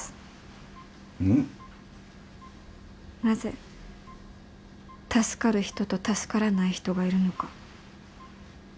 なぜ助かる人と助からない人がいるのか。